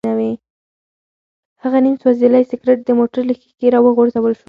هغه نیم سوځېدلی سګرټ د موټر له ښیښې راوغورځول شو.